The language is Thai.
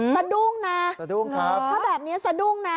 สะดุ้งนะสะดุ้งครับถ้าแบบนี้สะดุ้งนะ